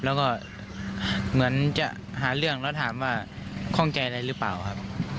แล้วก็เหมือนจะหาเรื่องแล้วถามว่าข้องใจอะไรหรือเปล่าครับ